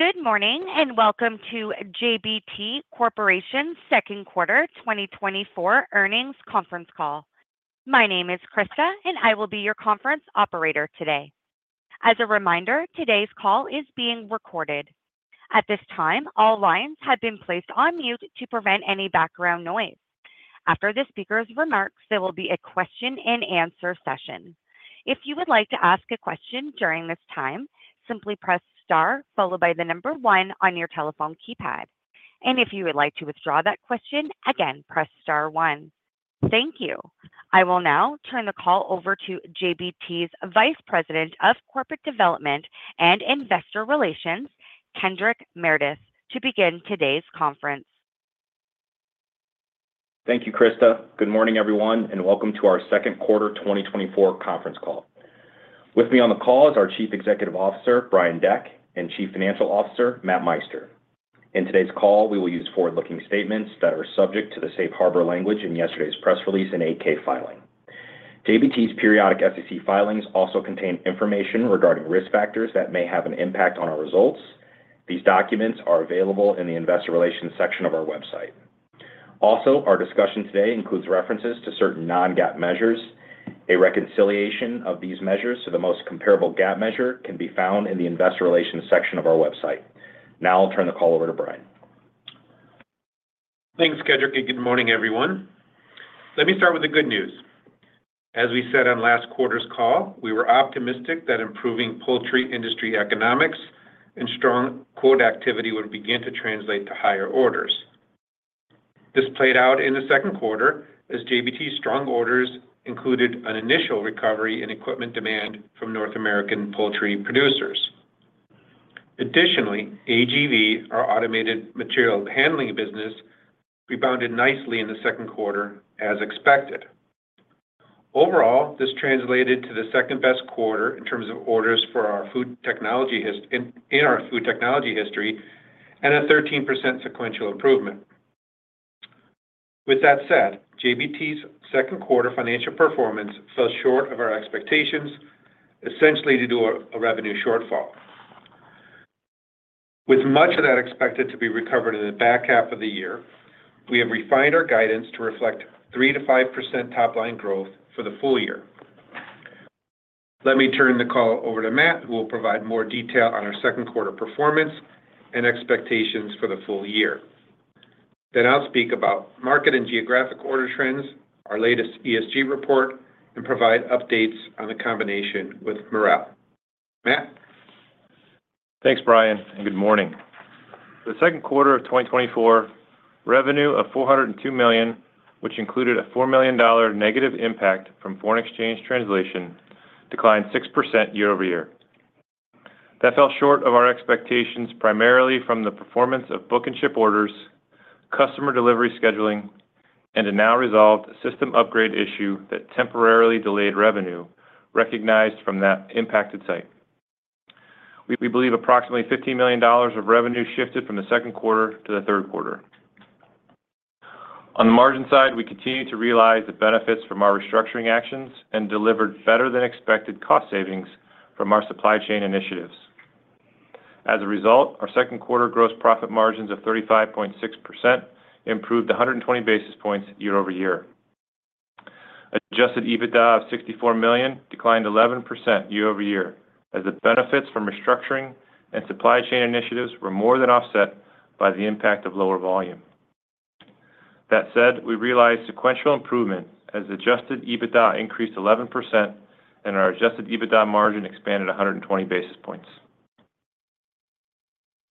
Good morning and welcome to JBT Corporation's second quarter 2024 earnings conference call. My name is Krista, and I will be your conference operator today. As a reminder, today's call is being recorded. At this time, all lines have been placed on mute to prevent any background noise. After the speaker's remarks, there will be a question-and-answer session. If you would like to ask a question during this time, simply press star followed by the number one on your telephone keypad. And if you would like to withdraw that question, again, press star one. Thank you. I will now turn the call over to JBT's Vice President of Corporate Development and Investor Relations, Kedric Meredith, to begin today's conference. Thank you, Krista. Good morning, everyone, and welcome to our second quarter 2024 conference call. With me on the call is our Chief Executive Officer, Brian Deck, and Chief Financial Officer, Matt Meister. In today's call, we will use forward-looking statements that are subject to the safe harbor language in yesterday's press release and 8-K filing. JBT's periodic SEC filings also contain information regarding risk factors that may have an impact on our results. These documents are available in the investor relations section of our website. Also, our discussion today includes references to certain non-GAAP measures. A reconciliation of these measures to the most comparable GAAP measure can be found in the investor relations section of our website. Now I'll turn the call over to Brian. Thanks, Kedric, and good morning, everyone. Let me start with the good news. As we said on last quarter's call, we were optimistic that improving poultry industry economics and strong quote activity would begin to translate to higher orders. This played out in the second quarter as JBT's strong orders included an initial recovery in equipment demand from North American poultry producers. Additionally, AGV, our automated material handling business, rebounded nicely in the second quarter, as expected. Overall, this translated to the second-best quarter in terms of orders for our Food Technology in our Food Technology history and a 13% sequential improvement. With that said, JBT's second quarter financial performance fell short of our expectations, essentially due to a revenue shortfall. With much of that expected to be recovered in the back half of the year, we have refined our guidance to reflect 3%-5% top-line growth for the full year. Let me turn the call over to Matt, who will provide more detail on our second quarter performance and expectations for the full year. Then I'll speak about market and geographic order trends, our latest ESG report, and provide updates on the combination with Marel. Matt? Thanks, Brian, and good morning. The second quarter of 2024 revenue of $402 million, which included a $4 million negative impact from foreign exchange translation, declined 6% year-over-year. That fell short of our expectations primarily from the performance of book and ship orders, customer delivery scheduling, and a now-resolved system upgrade issue that temporarily delayed revenue recognized from that impacted site. We believe approximately $15 million of revenue shifted from the second quarter to the third quarter. On the margin side, we continue to realize the benefits from our restructuring actions and delivered better-than-expected cost savings from our supply chain initiatives. As a result, our second quarter gross profit margins of 35.6% improved 120 basis points year-over-year. Adjusted EBITDA of $64 million declined 11% year-over-year as the benefits from restructuring and supply chain initiatives were more than offset by the impact of lower volume. That said, we realized sequential improvement as adjusted EBITDA increased 11% and our adjusted EBITDA margin expanded 120 basis points.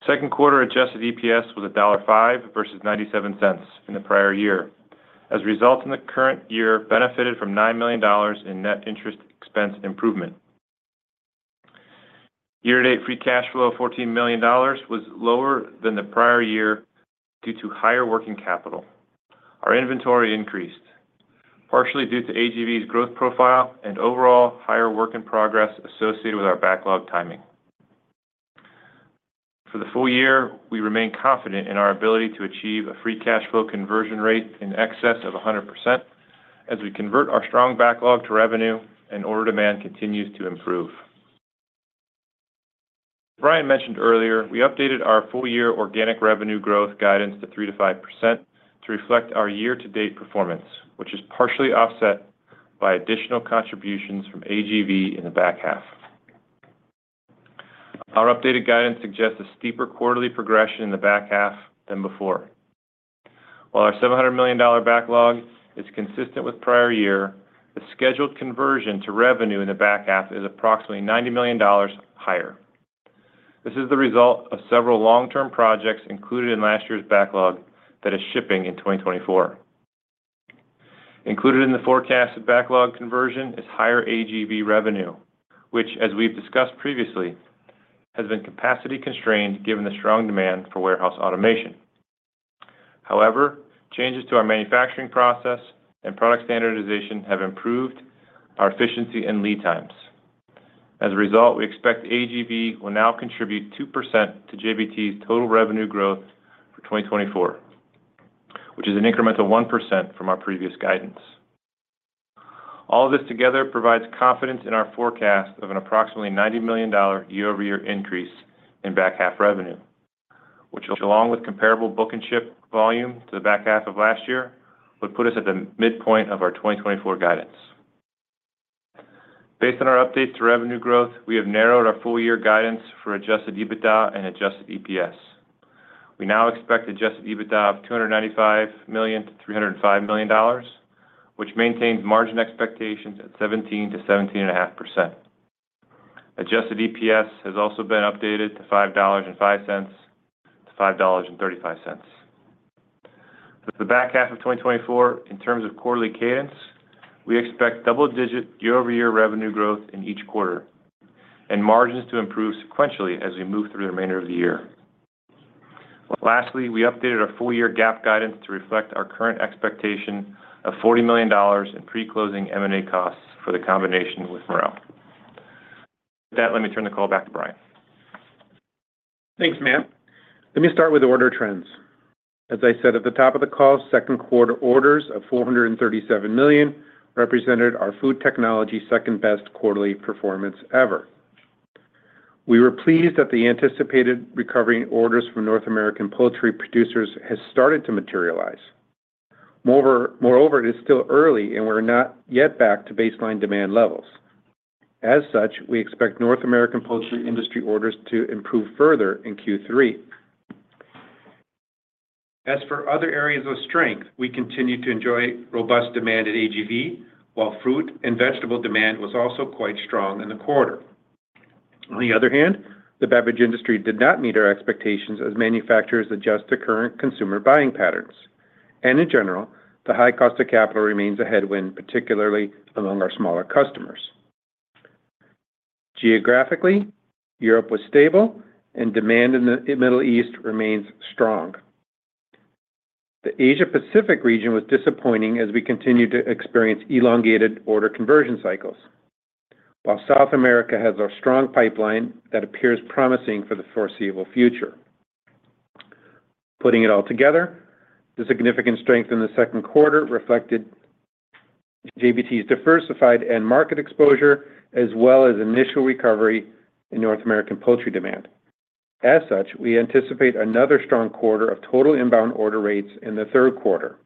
Second quarter adjusted EPS was $1.05 versus $0.97 in the prior year. As a result, the current year benefited from $9 million in net interest expense improvement. Year-to-date free cash flow of $14 million was lower than the prior year due to higher working capital. Our inventory increased, partially due to AGV's growth profile and overall higher work in progress associated with our backlog timing. For the full year, we remain confident in our ability to achieve a free cash flow conversion rate in excess of 100% as we convert our strong backlog to revenue and order demand continues to improve. Brian mentioned earlier, we updated our full-year organic revenue growth guidance to 3%-5% to reflect our year-to-date performance, which is partially offset by additional contributions from AGV in the back half. Our updated guidance suggests a steeper quarterly progression in the back half than before. While our $700 million backlog is consistent with prior year, the scheduled conversion to revenue in the back half is approximately $90 million higher. This is the result of several long-term projects included in last year's backlog that is shipping in 2024. Included in the forecasted backlog conversion is higher AGV revenue, which, as we've discussed previously, has been capacity constrained given the strong demand for warehouse automation. However, changes to our manufacturing process and product standardization have improved our efficiency and lead times. As a result, we expect AGV will now contribute 2% to JBT's total revenue growth for 2024, which is an incremental 1% from our previous guidance. All of this together provides confidence in our forecast of an approximately $90 million year-over-year increase in back half revenue, which, along with comparable book and ship volume to the back half of last year, would put us at the midpoint of our 2024 guidance. Based on our updates to revenue growth, we have narrowed our full-year guidance for Adjusted EBITDA and Adjusted EPS. We now expect Adjusted EBITDA of $295 million-$305 million, which maintains margin expectations at 17%-17.5%. Adjusted EPS has also been updated to $5.05-$5.35. For the back half of 2024, in terms of quarterly cadence, we expect double-digit year-over-year revenue growth in each quarter and margins to improve sequentially as we move through the remainder of the year. Lastly, we updated our full-year GAAP guidance to reflect our current expectation of $40 million in pre-closing M&A costs for the combination with Marel. With that, let me turn the call back to Brian. Thanks, Matt. Let me start with order trends. As I said at the top of the call, second quarter orders of $437 million represented our Food Technology second-best quarterly performance ever. We were pleased that the anticipated recovery in orders from North American poultry producers has started to materialize. Moreover, it is still early, and we're not yet back to baseline demand levels. As such, we expect North American poultry industry orders to improve further in Q3. As for other areas of strength, we continue to enjoy robust demand at AGV, while fruit and vegetable demand was also quite strong in the quarter. On the other hand, the beverage industry did not meet our expectations as manufacturers adjust to current consumer buying patterns. In general, the high cost of capital remains a headwind, particularly among our smaller customers. Geographically, Europe was stable, and demand in the Middle East remains strong. The Asia-Pacific region was disappointing as we continued to experience elongated order conversion cycles, while South America has a strong pipeline that appears promising for the foreseeable future. Putting it all together, the significant strength in the second quarter reflected JBT's diversified and market exposure, as well as initial recovery in North American poultry demand. As such, we anticipate another strong quarter of total inbound order rates in the third quarter.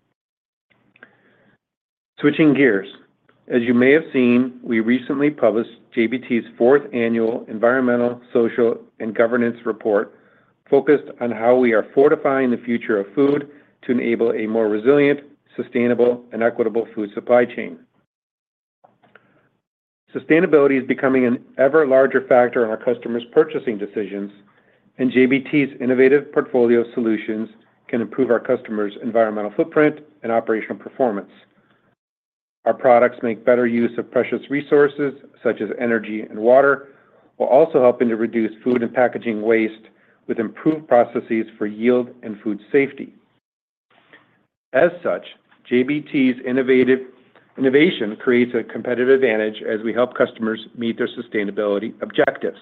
Switching gears, as you may have seen, we recently published JBT's fourth annual environmental, social, and governance report focused on how we are fortifying the future of food to enable a more resilient, sustainable, and equitable food supply chain. Sustainability is becoming an ever-larger factor in our customers' purchasing decisions, and JBT's innovative portfolio solutions can improve our customers' environmental footprint and operational performance. Our products make better use of precious resources such as energy and water, while also helping to reduce food and packaging waste with improved processes for yield and food safety. As such, JBT's innovation creates a competitive advantage as we help customers meet their sustainability objectives.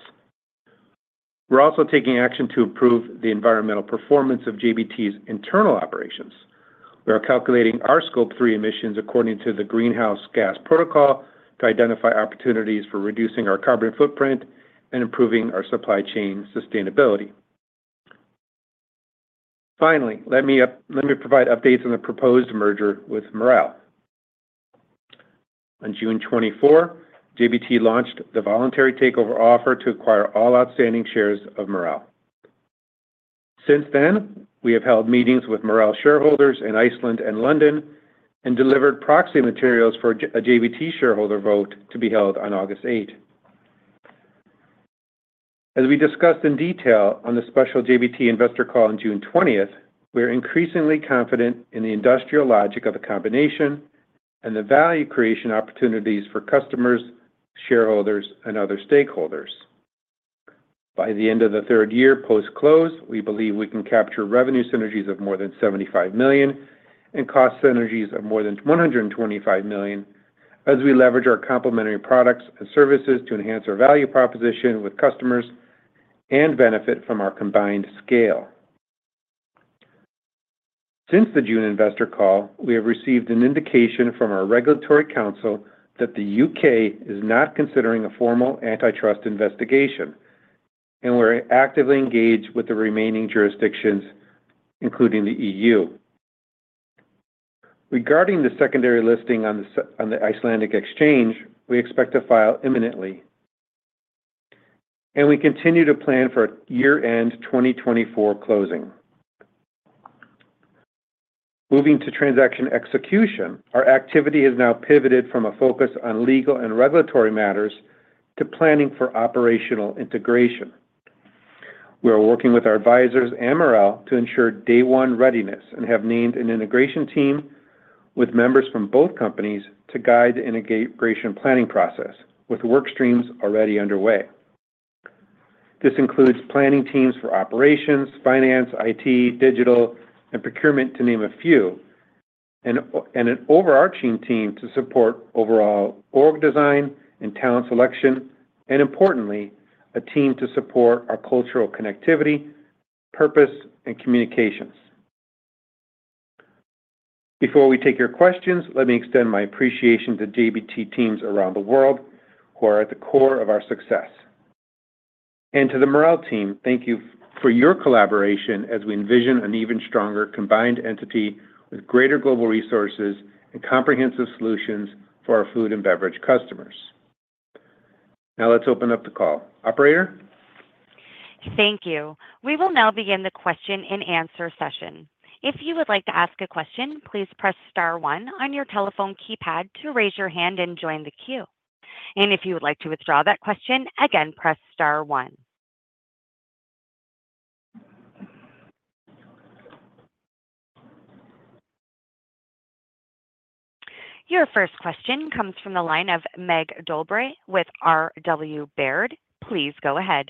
We're also taking action to improve the environmental performance of JBT's internal operations. We are calculating our Scope 3 emissions according to the Greenhouse Gas Protocol to identify opportunities for reducing our carbon footprint and improving our supply chain sustainability. Finally, let me provide updates on the proposed merger with Marel. On June 24, JBT launched the voluntary takeover offer to acquire all outstanding shares of Marel. Since then, we have held meetings with Marel shareholders in Iceland and London and delivered proxy materials for a JBT shareholder vote to be held on August 8. As we discussed in detail on the special JBT investor call on June 20, we are increasingly confident in the industrial logic of the combination and the value creation opportunities for customers, shareholders, and other stakeholders. By the end of the third year post-close, we believe we can capture revenue synergies of more than $75 million and cost synergies of more than $125 million as we leverage our complementary products and services to enhance our value proposition with customers and benefit from our combined scale. Since the June investor call, we have received an indication from our regulatory counsel that the UK is not considering a formal antitrust investigation, and we're actively engaged with the remaining jurisdictions, including the EU. Regarding the secondary listing on the Icelandic exchange, we expect to file imminently, and we continue to plan for year-end 2024 closing. Moving to transaction execution, our activity has now pivoted from a focus on legal and regulatory matters to planning for operational integration. We are working with our advisors and Marel to ensure day-one readiness and have named an integration team with members from both companies to guide the integration planning process, with work streams already underway. This includes planning teams for operations, finance, IT, digital, and procurement, to name a few, and an overarching team to support overall org design and talent selection, and importantly, a team to support our cultural connectivity, purpose, and communications. Before we take your questions, let me extend my appreciation to JBT teams around the world who are at the core of our success. And to the Marel team, thank you for your collaboration as we envision an even stronger combined entity with greater global resources and comprehensive solutions for our food and beverage customers. Now let's open up the call. Operator? Thank you. We will now begin the question-and-answer session. If you would like to ask a question, please press star one on your telephone keypad to raise your hand and join the queue. If you would like to withdraw that question, again, press star one. Your first question comes from the line of Mircea Dobre with R.W. Baird. Please go ahead.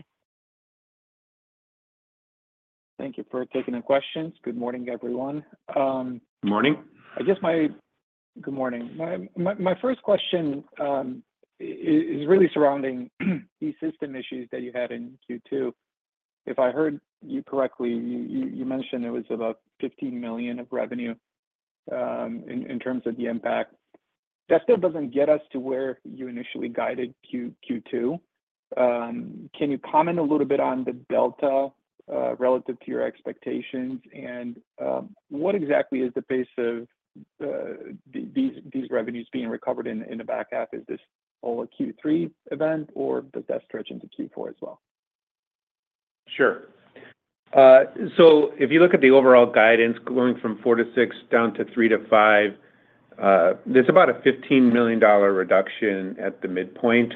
Thank you for taking the questions. Good morning, everyone. Good morning. Good morning. My first question is really surrounding these system issues that you had in Q2. If I heard you correctly, you mentioned it was about $15 million of revenue in terms of the impact. That still doesn't get us to where you initially guided Q2. Can you comment a little bit on the delta relative to your expectations? And what exactly is the pace of these revenues being recovered in the back half? Is this all a Q3 event, or does that stretch into Q4 as well? Sure. So if you look at the overall guidance going from 4-6 down to 3-5, there's about a $15 million reduction at the midpoint.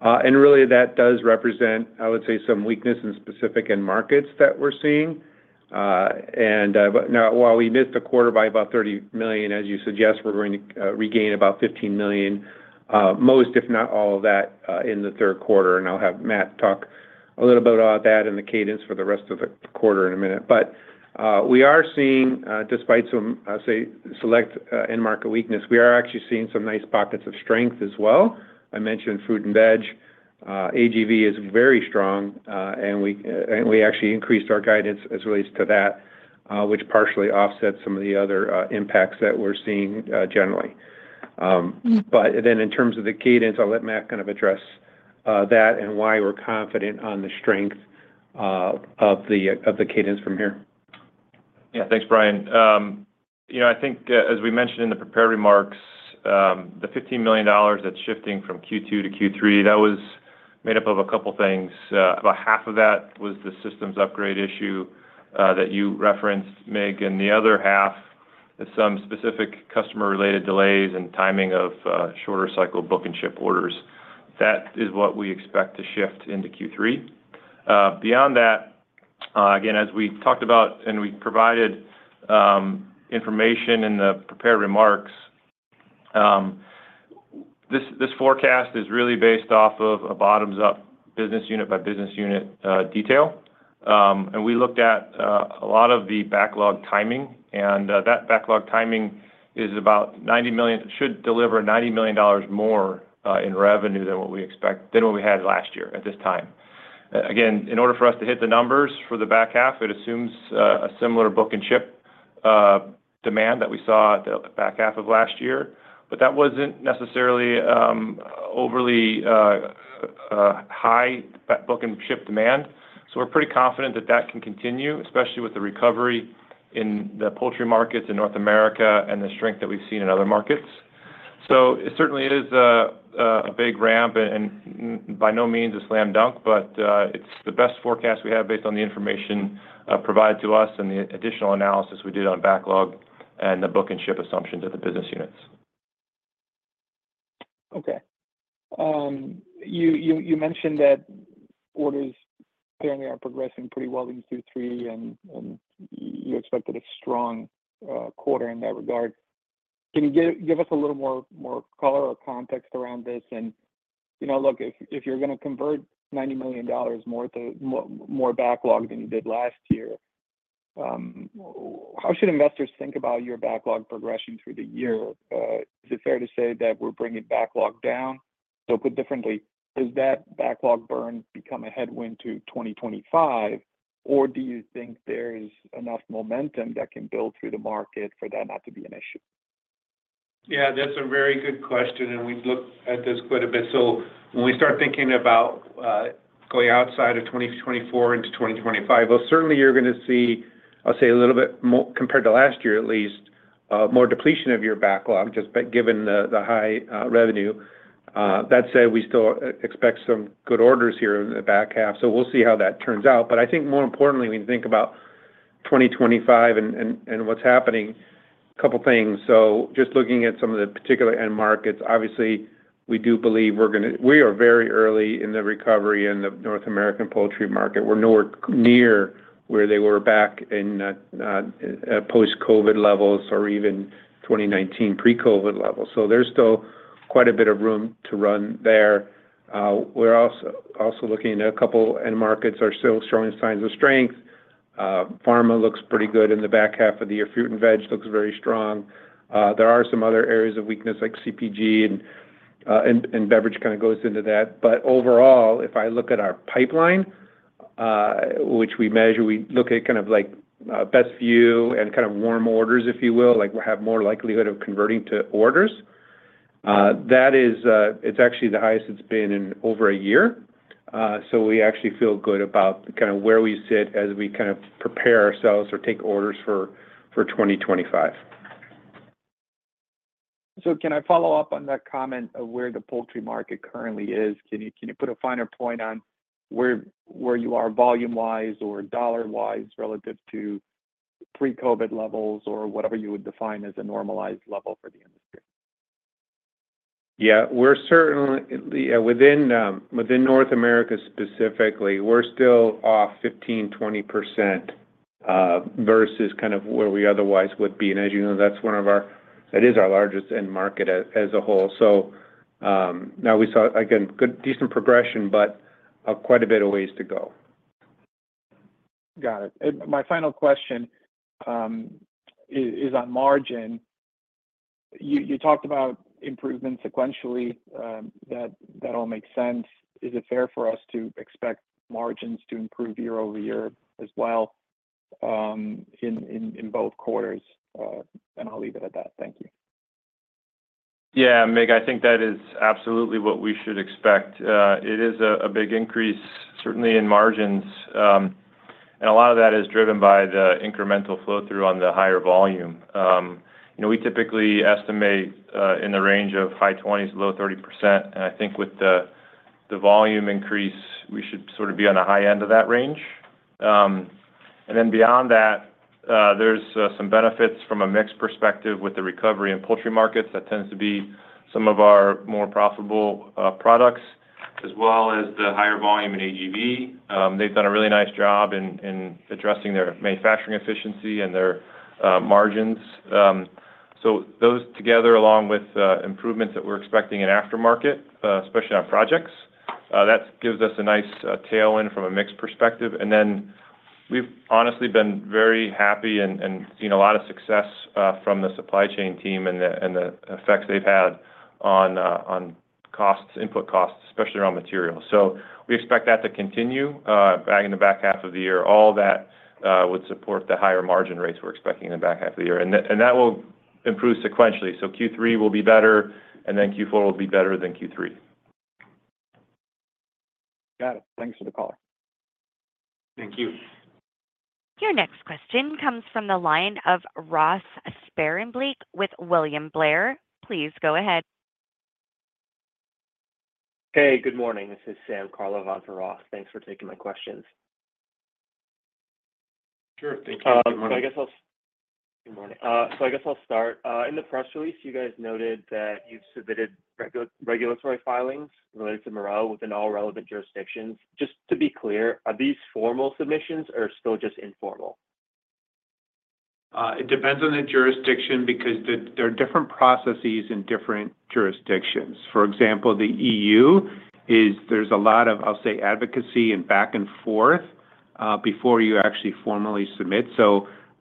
And really, that does represent, I would say, some weakness in specific end markets that we're seeing. And now, while we missed a quarter by about $30 million, as you suggest, we're going to regain about $15 million, most, if not all of that, in the third quarter. And I'll have Matt talk a little bit about that and the cadence for the rest of the quarter in a minute. But we are seeing, despite some, I'll say, select end market weakness, we are actually seeing some nice pockets of strength as well. I mentioned food and veg. AGV is very strong, and we actually increased our guidance as it relates to that, which partially offsets some of the other impacts that we're seeing generally. But then in terms of the cadence, I'll let Matt kind of address that and why we're confident on the strength of the cadence from here. Yeah. Thanks, Brian. I think, as we mentioned in the prepared remarks, the $15 million that's shifting from Q2 to Q3, that was made up of a couple of things. About half of that was the systems upgrade issue that you referenced, Mig, and the other half is some specific customer-related delays and timing of shorter cycle book and chip orders. That is what we expect to shift into Q3. Beyond that, again, as we talked about and we provided information in the prepared remarks, this forecast is really based off of a bottoms-up business unit by business unit detail. And we looked at a lot of the backlog timing, and that backlog timing should deliver $90 million more in revenue than what we had last year at this time. Again, in order for us to hit the numbers for the back half, it assumes a similar book-and-ship demand that we saw at the back half of last year. But that wasn't necessarily overly high book-and-ship demand. So we're pretty confident that that can continue, especially with the recovery in the poultry markets in North America and the strength that we've seen in other markets. So it certainly is a big ramp and by no means a slam dunk, but it's the best forecast we have based on the information provided to us and the additional analysis we did on backlog and the book-and-ship assumptions at the business units. Okay. You mentioned that orders apparently are progressing pretty well in Q3, and you expected a strong quarter in that regard. Can you give us a little more color or context around this? And look, if you're going to convert $90 million more backlog than you did last year, how should investors think about your backlog progression through the year? Is it fair to say that we're bringing backlog down? So put differently, does that backlog burn become a headwind to 2025, or do you think there's enough momentum that can build through the market for that not to be an issue? Yeah, that's a very good question, and we've looked at this quite a bit. So when we start thinking about going outside of 2024 into 2025, well, certainly you're going to see, I'll say, a little bit compared to last year, at least, more depletion of your backlog, just given the high revenue. That said, we still expect some good orders here in the back half. So we'll see how that turns out. But I think more importantly, when you think about 2025 and what's happening, a couple of things. So just looking at some of the particular end markets, obviously, we do believe we're going to—we are very early in the recovery in the North American poultry market. We're nowhere near where they were back in post-COVID levels or even 2019 pre-COVID levels. So there's still quite a bit of room to run there. We're also looking at a couple of end markets that are still showing signs of strength. Pharma looks pretty good in the back half of the year. Food and veg looks very strong. There are some other areas of weakness like CPG, and beverage kind of goes into that. But overall, if I look at our pipeline, which we measure, we look at kind of like best view and kind of warm orders, if you will, like we have more likelihood of converting to orders. That is. It's actually the highest it's been in over a year. So we actually feel good about kind of where we sit as we kind of prepare ourselves or take orders for 2025. So can I follow up on that comment of where the poultry market currently is? Can you put a finer point on where you are volume-wise or dollar-wise relative to pre-COVID levels or whatever you would define as a normalized level for the industry? Yeah. Within North America specifically, we're still off 15%-20% versus kind of where we otherwise would be. And as you know, that's one of our—that is our largest end market as a whole. So now we saw, again, decent progression, but quite a bit of ways to go. Got it. My final question is on margin. You talked about improvement sequentially. That all makes sense. Is it fair for us to expect margins to improve year-over-year as well in both quarters? And I'll leave it at that. Thank you. Yeah, Meg, I think that is absolutely what we should expect. It is a big increase, certainly in margins. A lot of that is driven by the incremental flow-through on the higher volume. We typically estimate in the range of high 20s, low 30%. I think with the volume increase, we should sort of be on the high end of that range. Then beyond that, there's some benefits from a mixed perspective with the recovery in poultry markets. That tends to be some of our more profitable products, as well as the higher volume in AGV. They've done a really nice job in addressing their manufacturing efficiency and their margins. So those together, along with improvements that we're expecting in aftermarket, especially on projects, that gives us a nice tailwind from a mixed perspective. And then we've honestly been very happy and seen a lot of success from the supply chain team and the effects they've had on costs, input costs, especially around materials. So we expect that to continue back in the back half of the year. All that would support the higher margin rates we're expecting in the back half of the year. And that will improve sequentially. So Q3 will be better, and then Q4 will be better than Q3. Got it. Thanks for the call. Thank you. Your next question comes from the line of Ross Sparenblek with William Blair. Please go ahead. Hey, good morning. This is Sam Kurlak. Thanks for taking my questions. Sure. Thank you. Good morning. So I guess I'll start. In the press release, you guys noted that you've submitted regulatory filings related to Marel within all relevant jurisdictions. Just to be clear, are these formal submissions or still just informal? It depends on the jurisdiction because there are different processes in different jurisdictions. For example, the E.U., there's a lot of, I'll say, advocacy and back and forth before you actually formally submit.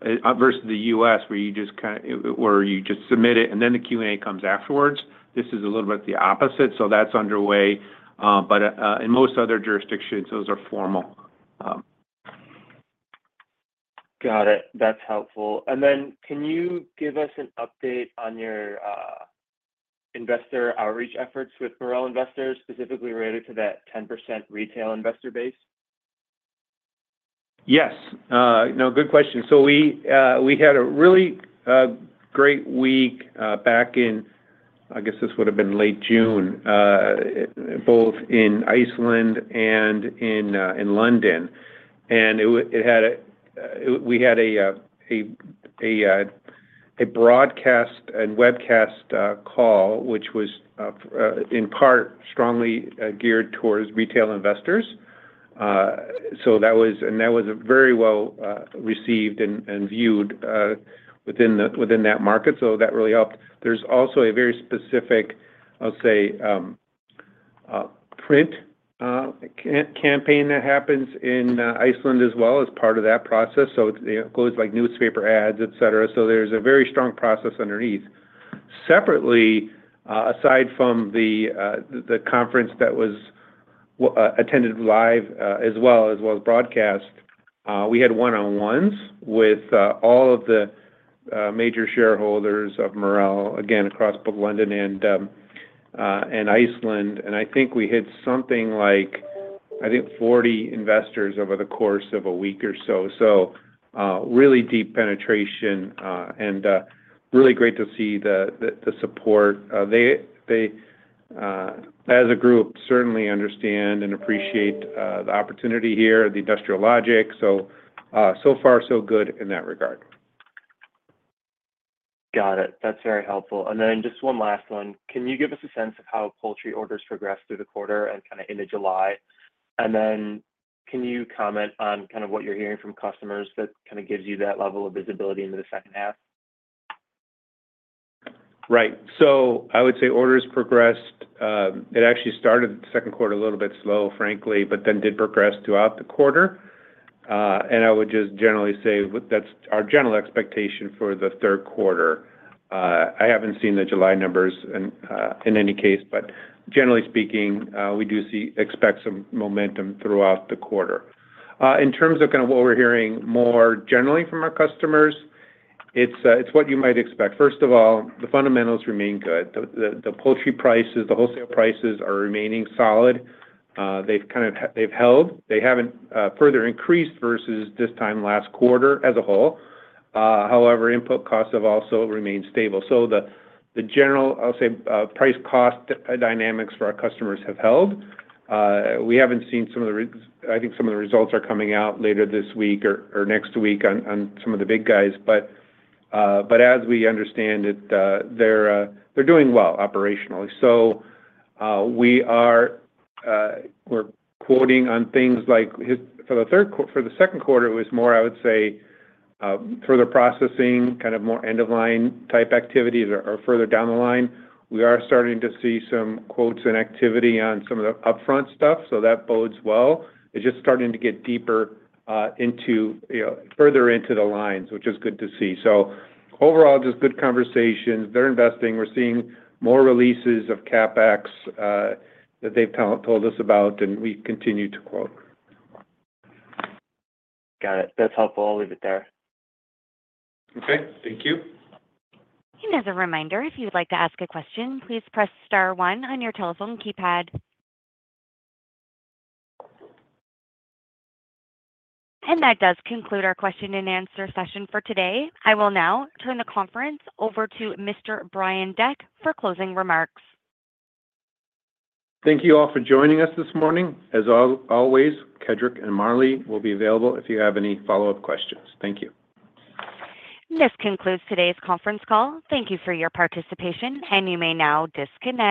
So versus the U.S., where you just kind of submit it, and then the Q&A comes afterwards. This is a little bit the opposite. So that's underway. But in most other jurisdictions, those are formal. Got it. That's helpful. And then can you give us an update on your investor outreach efforts with Marel investors, specifically related to that 10% retail investor base? Yes. No, good question. So we had a really great week back in, I guess this would have been late June, both in Iceland and in London. And we had a broadcast and webcast call, which was in part strongly geared towards retail investors. And that was very well received and viewed within that market. So that really helped. There's also a very specific, I'll say, print campaign that happens in Iceland as well as part of that process. So it goes like newspaper ads, etc. So there's a very strong process underneath. Separately, aside from the conference that was attended live as well, as well as broadcast, we had one-on-ones with all of the major shareholders of Marel, again, across both London and Iceland. And I think we hit something like, I think, 40 investors over the course of a week or so. So really deep penetration and really great to see the support. They, as a group, certainly understand and appreciate the opportunity here, the industrial logic. So far, so good in that regard. Got it. That's very helpful. And then just one last one. Can you give us a sense of how poultry orders progressed through the quarter and kind of into July? And then can you comment on kind of what you're hearing from customers that kind of gives you that level of visibility into the second half? Right. So I would say orders progressed. It actually started the second quarter a little bit slow, frankly, but then did progress throughout the quarter. And I would just generally say that's our general expectation for the third quarter. I haven't seen the July numbers in any case, but generally speaking, we do expect some momentum throughout the quarter. In terms of kind of what we're hearing more generally from our customers, it's what you might expect. First of all, the fundamentals remain good. The poultry prices, the wholesale prices are remaining solid. They've held. They haven't further increased versus this time last quarter as a whole. However, input costs have also remained stable. So the general, I'll say, price-cost dynamics for our customers have held. We haven't seen some of the, I think some of the results are coming out later this week or next week on some of the big guys. But as we understand it, they're doing well operationally. So we're quoting on things like for the second quarter, it was more, I would say, further processing, kind of more end-of-line type activities or further down the line. We are starting to see some quotes and activity on some of the upfront stuff. So that bodes well. It's just starting to get deeper further into the lines, which is good to see. So overall, just good conversations. They're investing. We're seeing more releases of CapEx that they've told us about, and we continue to quote. Got it. That's helpful. I'll leave it there. Okay. Thank you. As a reminder, if you would like to ask a question, please press star one on your telephone keypad. That does conclude our question-and-answer session for today. I will now turn the conference over to Mr. Brian Deck for closing remarks. Thank you all for joining us this morning. As always, Kedric and Marlee will be available if you have any follow-up questions. Thank you. This concludes today's conference call. Thank you for your participation, and you may now disconnect.